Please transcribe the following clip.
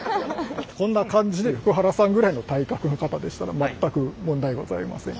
こんな感じで福原さんぐらいの体格の方でしたら全く問題ございません。